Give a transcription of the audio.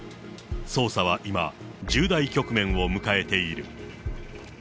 捜査は今、重大局面を迎えている。